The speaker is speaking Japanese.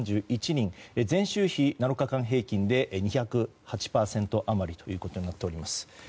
前週比７日間平均で２０８％余りということになっています。